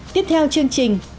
tiếp theo chương trình